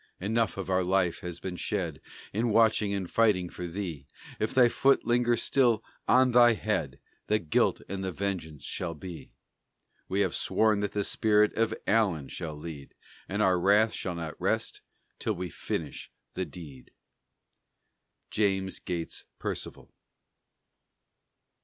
Enough of our life has been shed, In watching and fighting for thee; If thy foot linger still on thy head The guilt and the vengeance shall be: We have sworn that the spirit of ALLEN shall lead, And our wrath shall not rest, till we finish the deed. JAMES GATES PERCIVAL.